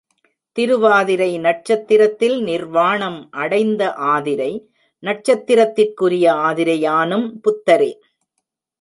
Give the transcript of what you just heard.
திருவாதிரை நட்சத்திரத்தில் நிர்வாணம் அடைந்த ஆதிரை நட்சத்திரத்திற்கு உரிய ஆதிரையானும் புத்தரே.